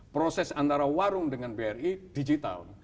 proses antara warung dengan bri digital